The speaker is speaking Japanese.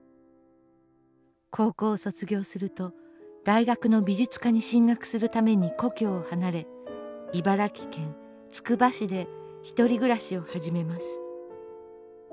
高校を卒業すると大学の美術科に進学するために故郷を離れ茨城県つくば市で１人暮らしを始めます。